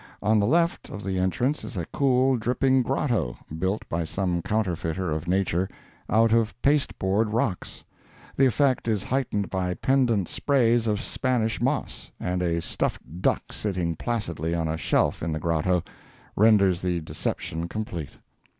On the left of the entrance is a cool, dripping grotto, built by some counterfeiter of Nature, out of pasteboard rocks; the effect is heightened by pendant sprays of Spanish moss, and a stuffed duck sitting placidly on a shelf in the grotto, renders the deception complete.